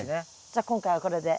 じゃ今回はこれで。